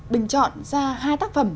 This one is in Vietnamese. bình chọn ra hai tác phẩm